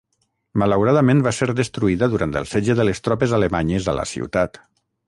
Malauradament, va ser destruïda durant el setge de les tropes alemanyes a la ciutat.